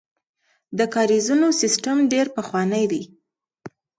د کاریزونو سیسټم ډیر پخوانی دی